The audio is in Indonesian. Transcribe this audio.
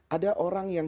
ada orang yang